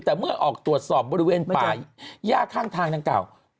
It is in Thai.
แต่เมื่อออกตรวจสอบบริเวณป่าย่าข้างทางดังกล่าว